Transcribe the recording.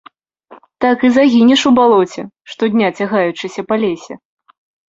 Так і загінеш у балоце, штодня цягаючыся па лесе.